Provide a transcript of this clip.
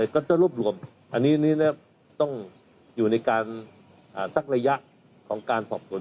ก็จะรวบรวมอันนี้ต้องอยู่ในการสักระยะของการสอบสวน